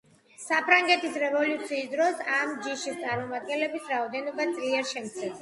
საფრანგეთის რევოლუციის დროს ამ ჯიშის წარმომადგენლების რაოდენობა ძლიერ შემცირდა.